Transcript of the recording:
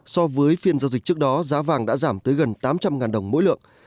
so với phiên giao dịch trước đó giá vàng đã giảm tới gần tám trăm linh đồng mỗi lượng